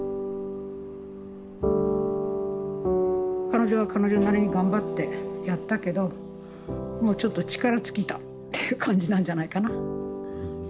彼女は彼女なりに頑張ってやったけどもうちょっと力尽きたっていう感じなんじゃないかな。